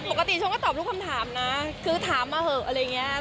ปกติฉันก็ตอบทุกคำถามนะคือถามมาเถอะอะไรอย่างนี้